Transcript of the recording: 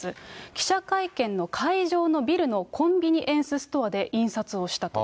記者会見の会場のビルのコンビニエンスストアで印刷をしたと。